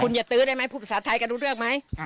คุณอย่าตื้อได้ไหมพูดภาษาไทยกันรู้เรื่องไหม